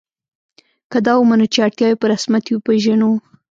که دا ومنو چې اړتیاوې په رسمیت وپېژنو.